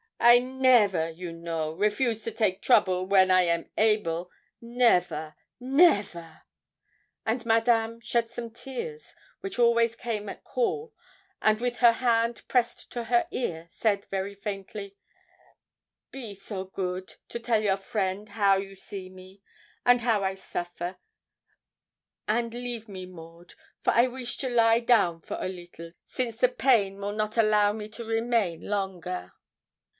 I never, you know, refuse to take trouble when I am able never never.' And Madame shed some tears, which always came at call, and with her hand pressed to her ear, said very faintly, 'Be so good to tell your friend how you see me, and how I suffer, and leave me, Maud, for I wish to lie down for a little, since the pain will not allow me to remain longer.'